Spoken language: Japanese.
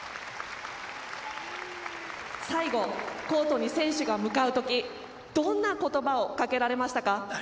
最後コートに選手が向かう時どんな言葉をかけられましたか？